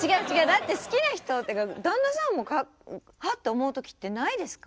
だって好きな人っていうか旦那さんをハッと思う時ってないですか？